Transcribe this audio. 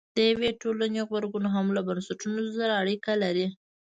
د یوې ټولنې غبرګون هم له بنسټونو سره اړیکه لري.